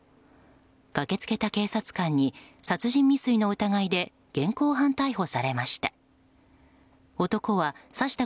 駆け付けた警察官に殺人未遂の疑いで現行犯逮捕されました。